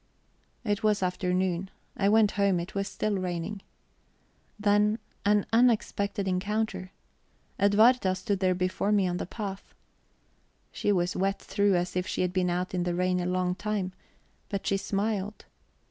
It was afternoon. I went home; it was still raining. Then an unexpected encounter. Edwarda stood there before me on the path. She was wet through, as if she had been out in the rain a long time, but she smiled.